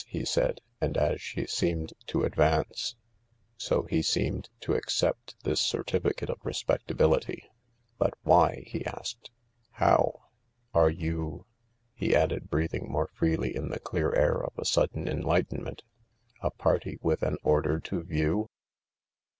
Yes/' said he, and as she seemed to advance, so he seemed to accept, this certificate of respectability. " But why ?;. he asked. " How ?... Are you," he added, breathing more freely in the clear air of a sudden enlightenment, " a party with an order to view